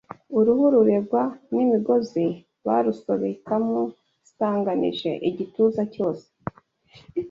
Uruhu ruregwa n’imigozi barusobekamo isanganije igituza cyose